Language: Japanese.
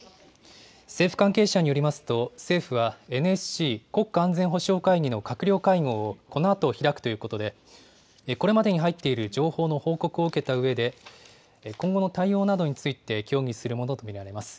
政府関係者によりますと、政府はＮＳＣ・国家安全保障会議の閣僚会合をこのあと開くということで、これまでに入っている情報の報告を受けたうえで、今後の対応などについて協議するものと見られます。